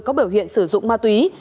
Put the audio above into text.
có biểu hiện sử dụng ma túy